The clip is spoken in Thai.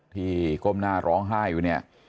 ก้มหน้าร้องไห้อยู่เนี่ย